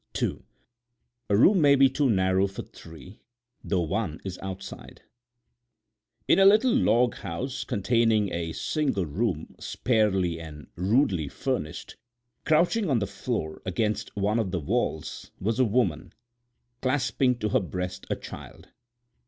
II A ROOM MAY BE TOO NARROW FOR THREE, THOUGH ONE IS OUTSIDE In a little log house containing a single room sparely and rudely furnished, crouching on the floor against one of the walls, was a woman, clasping to her breast a child.